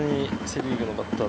セ・リーグのバッター